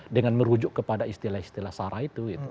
dengan merujuk kepada istilah istilah sarah itu